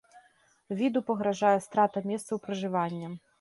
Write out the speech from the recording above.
Віду пагражае страта месцаў пражывання.